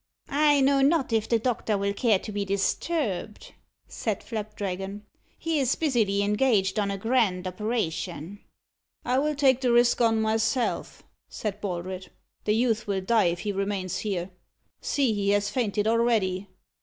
"I know not if the doctor will care to be disturbed," said Flapdragon. "He is busily engaged on a grand operation." "I will take the risk on myself," said Baldred. "The youth will die if he remains here. See, he has fainted already!"